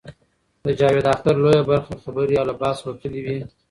د جاوید اختر لویه برخه خبرې له بحث وتلې وې.